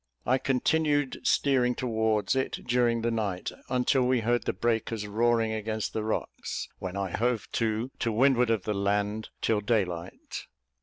I continued steering towards it during the night, until we heard the breakers roaring against the rocks, when I hove to, to windward of the land, till daylight.